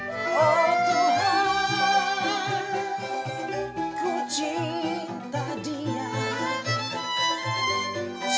oh tuhan ku cinta dia